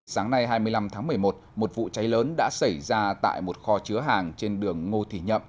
sáng nay hai mươi năm tháng một mươi một một vụ cháy lớn đã xảy ra tại một kho chứa hàng trên đường ngô thị nhậm